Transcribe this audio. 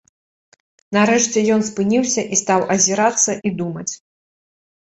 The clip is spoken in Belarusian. Нарэшце ён спыніўся і стаў азірацца і думаць.